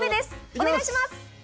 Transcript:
お願いします。